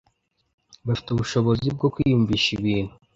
bafite ubushobozi bwo kwiyumvisha ibintu